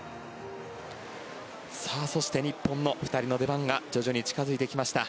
そして、日本の２人の出番が徐々に近付いてきました。